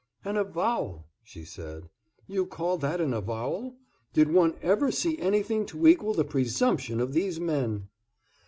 "An avowal!" she said. "You call that an avowal? Did one ever see anything to equal the presumption of these men?"